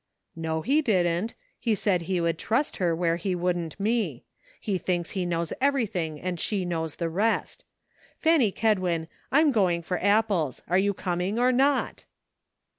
" No, he didn't ; he said he would trust her where he wouldn't me. He thinks he knows everything and she knows the rest. Fanny Kedwin, I'm going after apples ; are you com ing or not